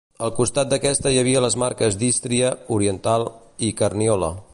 Al costat d'aquesta hi havia les marques d'Ístria, Oriental, i Carniola.